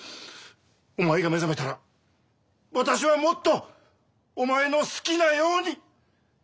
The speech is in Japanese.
お前が目覚めたら私はもっとお前の好きなようにやりたいように！